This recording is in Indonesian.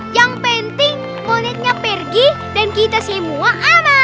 yang penting monyetnya pergi dan kita semua aman